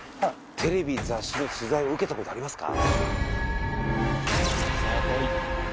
テレビ・雑誌の取材を受けた事ありますか？